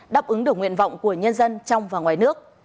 đáp ứng được nguyện vọng của nhân dân trong và ngoài nước